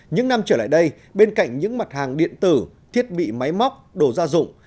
những năm trở lại đây bên cạnh những mặt hàng điện tử thiết bị máy móc đồ gia dụng